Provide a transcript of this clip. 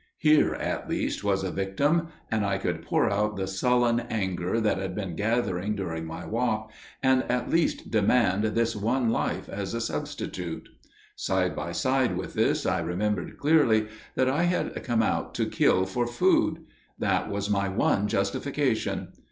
Here at least was a victim, and I would pour out the sullen anger that had been gathering during my walk, and at least demand this one life as a substitute. Side by side with this I remembered clearly that I had come out to kill for food: that was my one justification.